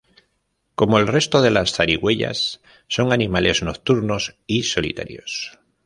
Como el resto de las zarigüeyas, son animales nocturnos y solitarios.